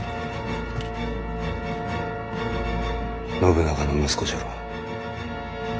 信長の息子じゃろう。